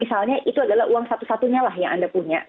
misalnya itu adalah uang satu satunya lah yang anda punya